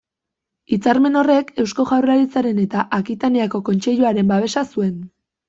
Hitzarmen horrek, Eusko Jaurlaritzaren eta Akitaniako Kontseiluaren babesa zuen.